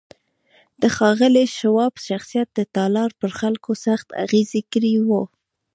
د ښاغلي شواب شخصيت د تالار پر خلکو سخت اغېز کړی و.